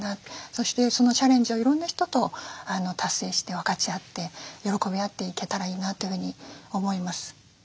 そしてそのチャレンジをいろんな人と達成して分かち合って喜び合っていけたらいいなというふうに思います。